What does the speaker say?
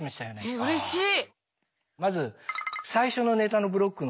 えっうれしい。